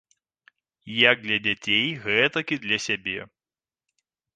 Як для дзяцей, гэтак і для сябе.